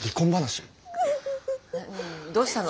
どうしたの？